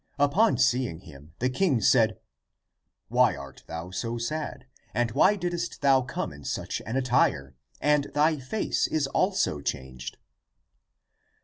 Upon seeing him, the king said, " Why art thou so sad, and why didst thou come in such an attire? And thy face is also changed."